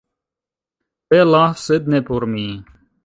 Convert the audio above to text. Bela, sed ne por mi.